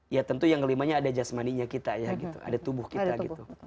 ya tentu yang kelimanya ada jasmaninya kita ya gitu ada tubuh kita gitu